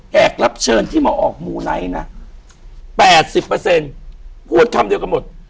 แขกรับเชิญที่มาออกมูไนท์นะแปดสิบเปอร์เซ็นต์หววดคำเดียวกับหมด